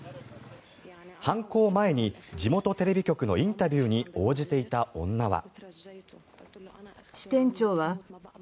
犯行前に地元テレビ局のインタビューに応じていた女は。